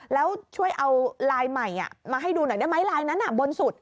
แล้วช่วยเอาลายใหม่มาให้ดูหน่อยไม้ลายนั้นน่ะบนสุด